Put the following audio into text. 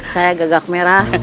saya gagak merah